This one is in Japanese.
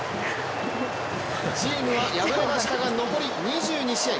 チームは敗れましたが残り２２試合。